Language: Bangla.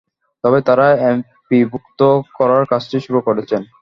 তবে তাঁরা এমপিওভুক্ত করার কাজটি শুরু করেছেন।